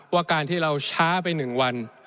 ว่าการที่เราช้าไป๑วัน